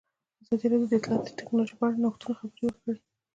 ازادي راډیو د اطلاعاتی تکنالوژي په اړه د نوښتونو خبر ورکړی.